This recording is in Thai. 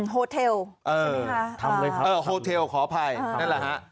โฮเทลใช่ไหมคะโฮเทลขออภัยนั่นแหละ